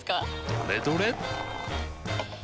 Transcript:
どれどれっ！